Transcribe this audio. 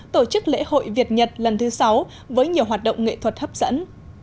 tổ chức lễ hội việt nhật lần thứ sáu với nhiều hoạt động nghệ thuật hấp dẫn